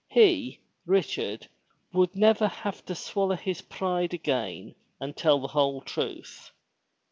He, Richard, would never have to swallow his pride again and tdl the whole truth.